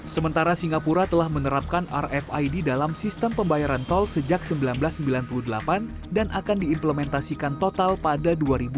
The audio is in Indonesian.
sementara singapura telah menerapkan rfid dalam sistem pembayaran tol sejak seribu sembilan ratus sembilan puluh delapan dan akan diimplementasikan total pada dua ribu dua puluh